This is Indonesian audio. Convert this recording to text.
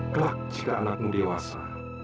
kelak jika anakmu dewasa